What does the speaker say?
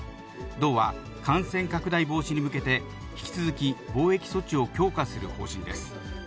道は、感染拡大防止に向けて、引き続き防疫措置を強化する方針です。